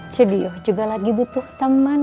studio juga lagi butuh teman